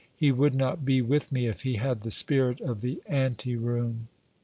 He would not be with me if he had the spirit of the ante room.